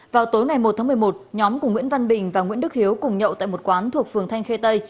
vào tối ngày một tháng một mươi một nhóm của nguyễn văn bình và nguyễn đức hiếu cùng nhậu tại một quán thuộc phường thanh khê tây